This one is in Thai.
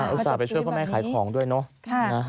อุตส่าห์ไปช่วยพ่อแม่ขายของด้วยเนาะ